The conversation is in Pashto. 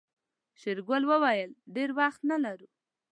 شېرګل وويل ډېر وخت نه لرو.